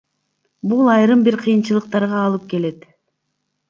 Бул айрым бир кыйынчылыктарга алып келет.